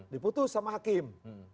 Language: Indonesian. diputus sama hakim